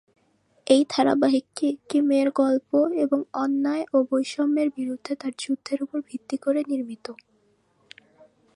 এই ধারাবাহিকটি একটি মেয়ের গল্প এবং অন্যায় ও বৈষম্যের বিরুদ্ধে তার যুদ্ধের উপর ভিত্তি করে নির্মিত।